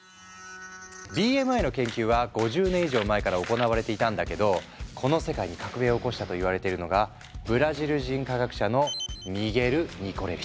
ＢＭＩの研究は５０年以上前から行われていたんだけどこの世界に革命を起こしたといわれているのがブラジル人科学者のミゲル・ニコレリス。